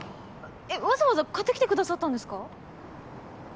えっわざわざ買ってきてくださったんですか？